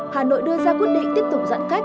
hà nội đưa ra quyết định tiếp tục giãn cách